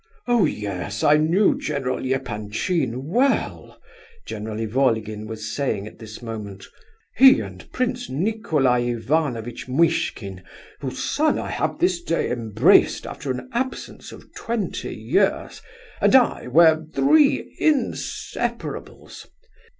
"Oh yes, I knew General Epanchin well," General Ivolgin was saying at this moment; "he and Prince Nicolai Ivanovitch Muishkin—whose son I have this day embraced after an absence of twenty years—and I, were three inseparables.